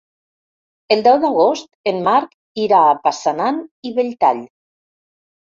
El deu d'agost en Marc irà a Passanant i Belltall.